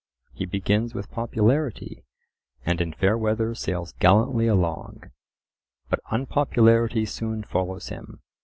He begins with popularity, and in fair weather sails gallantly along. But unpopularity soon follows him.